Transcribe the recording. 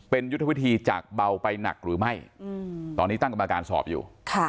เป็นยุทธวิธีจากเบาไปหนักหรือไม่ตอนนี้ตั้งกรรมการสอบอยู่